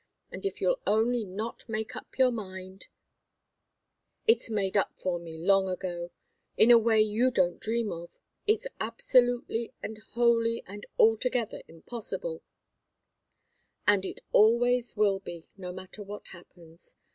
And if you'll only not make up your mind " "It's made up for me, long ago in a way you don't dream of. It's absolutely, and wholly, and altogether impossible, and it always will be, no matter what happens.